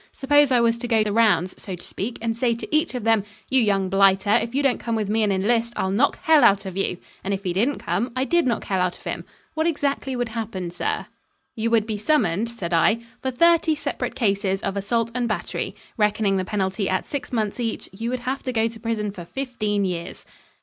Suppose I was to go the rounds, so to speak, and say to each of them, 'You young blighter, if you don't come with me and enlist, I 'll knock hell out of you!' and, if he didn't come, I did knock hell out of him what exactly would happen, sir?" "You would be summoned," said I, "for thirty separate cases of assault and battery. Reckoning the penalty at six months each, you would have to go to prison for fifteen years."